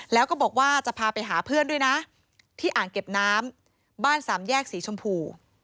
แล้วก็บอกว่าจะพาไปหาเพื่อนด้วยนะที่อ่างเก็บน้ำบ้านสามแยกสีชมพู